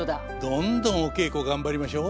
どんどんお稽古頑張りましょう。